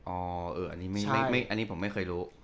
อันนี้ผมไม่เคยรู้